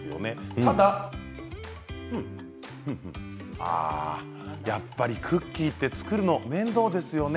ただやっぱりクッキーって作るの面倒ですよね。